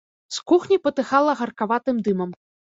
З кухні патыхала гаркаватым дымам.